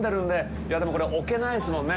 いや、でも、これ、置けないですもんね。